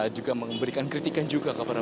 juga memberikan kritikan juga kepada